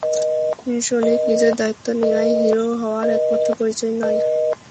Sonic, নিজের দায়িত্ব নেওয়াই হিরো হওয়ার একমাত্র পরিচয় নয়।